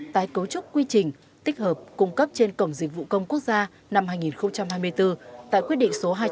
tại cấu trúc quy trình tích hợp cung cấp trên cổng dịch vụ công quốc gia năm hai nghìn hai mươi bốn tại quyết định số hai trăm linh sáu